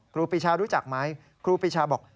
ครูปีชารู้จักไหมครูปีชาบอก